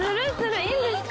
いいんですか？